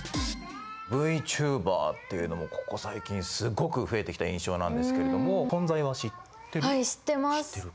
Ｖチューバーっていうのもここ最近すごく増えてきた印象なんですけれども存在は知ってる？